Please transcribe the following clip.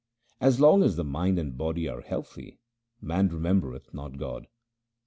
As long as the mind and body are healthy, man remem bereth not God.